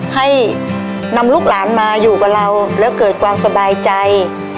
ให้นำลูกหลานมาอยู่กับเราแล้วเกิดความสบายใจ